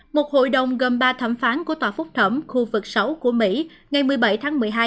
một hội đồng gồm ba thẩm phán của tòa phúc thẩm khu vực sáu của mỹ ngày một mươi bảy tháng một mươi hai